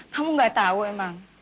kamu gak tau emang